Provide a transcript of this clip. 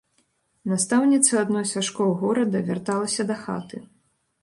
Настаўніца адной са школ горада вярталася дахаты.